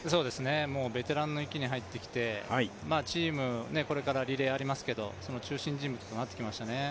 もうベテランの域に入ってきて、チームこれからリレーありますけど、その中心人物になってきましたね。